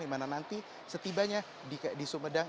di mana nanti setibanya di sumedang